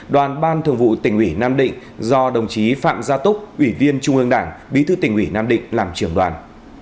đoàn ban thường vụ tỉnh ủy nam định do đồng chí phạm gia túc ủy viên trung ương đảng bí thư tỉnh ủy nam định làm trưởng đoàn